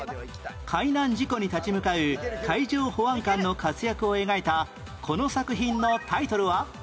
海難事故に立ち向かう海上保安官の活躍を描いたこの作品のタイトルは？